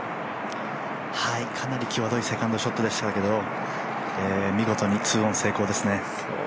かなり際どいセカンドショットでしたけど見事に２オン成功ですね。